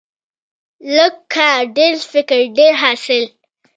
لږ کار، ډیر فکر، ډیر حاصل.